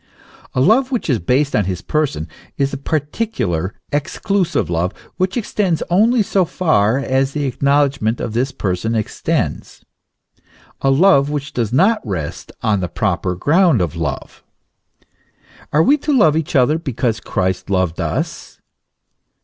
A love which is based on his person is a particular, exclusive love, which extends only so far as the acknowledgment of this person extends, a love which does not rest on the proper ground of love. Are we to love each other because Christ loved us?